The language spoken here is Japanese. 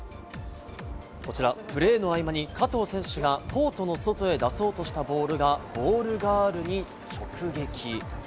こちらプレーの合間に加藤選手がコートの外へ出そうとしたボールが、ボールガールに直撃。